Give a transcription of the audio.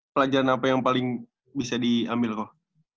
pelajaran apa yang paling bisa diambil oh